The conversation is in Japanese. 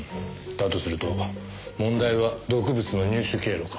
だとすると問題は毒物の入手経路か。